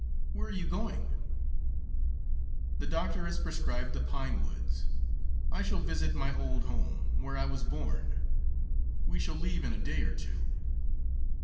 "Where are you going?" "The doctor has prescribed the pine woods. I shall visit my old home, where I was born. We shall leave in a day or two."